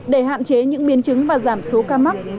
để hạn chế những biến chứng và giảm số ca mắc